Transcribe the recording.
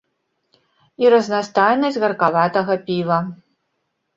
І разнастайнасць гаркаватага піва.